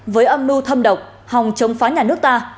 với âm mưu thâm độc hòng chống phá nhà nước ta